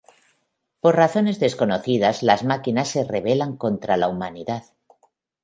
Por razones desconocidas las máquinas se rebelan contra la humanidad.